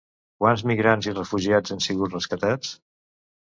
Quants migrants i refugiats han sigut rescatats?